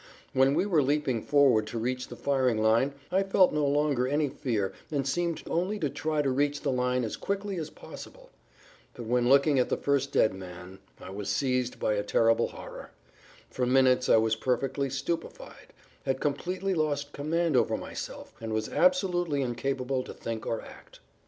When we were leaping forward to reach the firing line I felt no longer any fear and seemed only to try to reach the line as quickly as possible. But when looking at the first dead[Pg 10] man I was seized by a terrible horror. For minutes I was perfectly stupefied, had completely lost command over myself and was absolutely incapable to think or act.